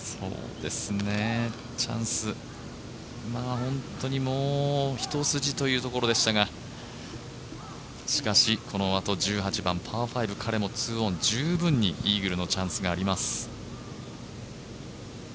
本当にもう一筋というところでしたが、しかしこのあと１８番パー５、彼も２オン、十分にイーグルのチャンスがあります。